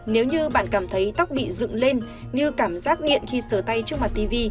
nếu như bạn cảm thấy tóc bị dựng lên như cảm giác điện khi sửa tay trước mặt tv